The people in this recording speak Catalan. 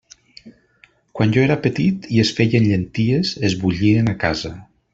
Quan jo era petit i es feien llenties, es bullien a casa.